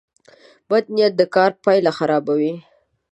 بد نیت د کار پایله خرابوي.